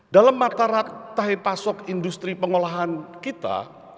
dalam matarat tahe pasok industri pengolahan kita